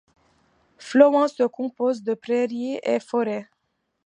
Fløan se compose de prairies et forêts.